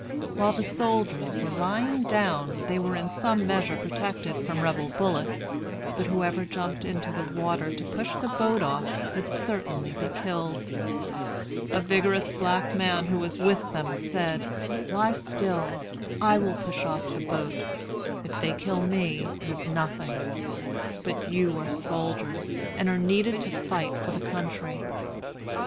While the soldiers were lying down they were in some measure protected from Rebel bullets; but whoever jumped into the water to push the boat off would certainly be killed. A vigorous black man who was with them said: "Lie still. I will push off the boat. If they kill me, it is nothing; but you are soldiers, and are needed to fight for the country."